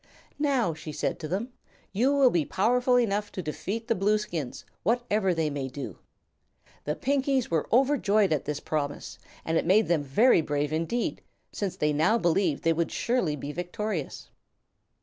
"Now," she said to them, "you will be powerful enough to defeat the Blueskins, whatever they may do." The Pinkies were overjoyed at this promise and it made them very brave indeed, since they now believed they would surely be victorious.